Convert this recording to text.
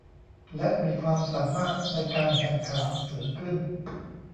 และมีความสามารถในการแข่งขันสูงขึ้น